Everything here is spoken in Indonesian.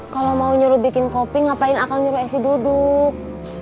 kalau mau nyuruh bikin kopi ngapain akal nyuruh esy duduk